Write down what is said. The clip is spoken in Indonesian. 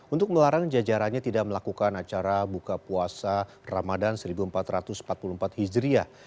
untuk melarang jajarannya tidak melakukan acara buka puasa ramadan seribu empat ratus empat puluh empat hijriah